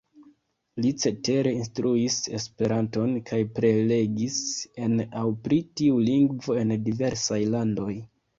Li cetere instruis Esperanton kaj prelegis en aŭ pri tiu lingvo en diversaj landoj.